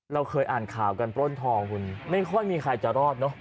เราเคยอ่านข่าวกันปล้นทองคุณไม่ค่อยมีใครจะรอดเนอะ